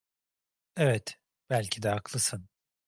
Evet, belki de haklısın.